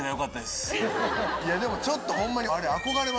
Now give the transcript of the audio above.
いやでもちょっとホンマにあれ。